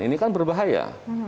ini kan berbahaya